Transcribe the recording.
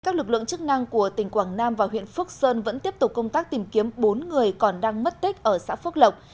các lực lượng chức năng của tỉnh quảng nam và huyện phước sơn vẫn tiếp tục công tác tìm kiếm bốn người còn đang mất tích ở xã phước lộc